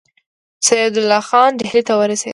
سعدالله خان ډهلي ته ورسېد.